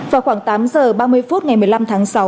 vào khoảng tám giờ ba mươi phút ngày một mươi năm tháng sáu